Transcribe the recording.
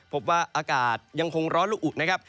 พบว่าอากาศยังคงร้อนละอุนะครับ